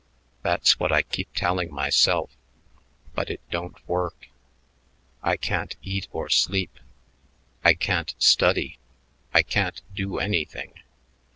"That's what I keep telling myself, but it don't work. I can't eat or sleep. I can't study. I can't do anything.